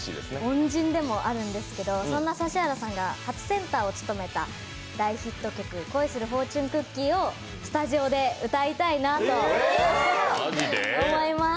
恩人でもあるんですけど、そんな指原さんが初センターを務めた大ヒット曲「恋するフォーチュンクッキー」をスタジオで歌いたいなと思います。